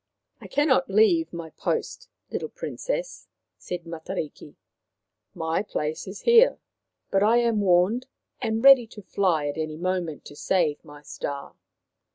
" I cannot leave my post, little Princess," said Matariki. " My place is here. But I am warned, and ready to fly at any moment to save my star.